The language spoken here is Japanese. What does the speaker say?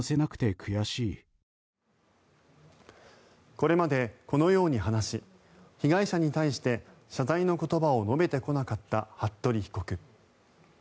これまでこのように話し被害者に対して、謝罪の言葉を述べてこなかった服部被告。